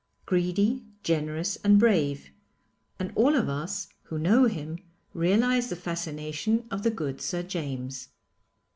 Greedy, generous, and brave; and all of us, who know him, realise the fascination of the good Sir James.